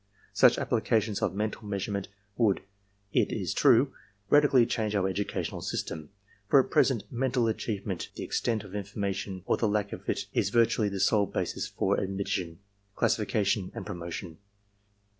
Such applications of mental measurement would, it is true, radically change our educational system, for at present mental achievement, the extent of information or the lack of it is virtually the sole basis for admission, classifica tion and promotion.